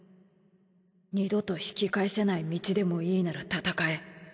二度と引き返せない道でもいいなら闘え。